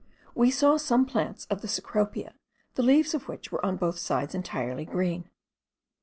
We saw some small plants of the cecropia, the leaves of which were on both sides entirely green.